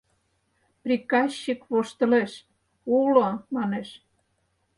Прикащик воштылеш: уло, манеш.